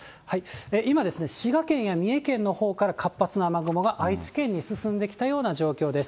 今ですね、滋賀県や三重県のほうから、活発な雨雲が、愛知県に進んできたような状況です。